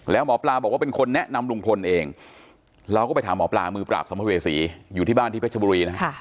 แล้วหมอปลาบอกว่าเป็นคนแนะนำลุงพลเองเราก็ไปถามหมอปลามือปราบสัมภเวษีอยู่ที่บ้านที่เพชรบุรีนะฮะ